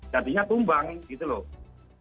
jadinya tumbang gitu loh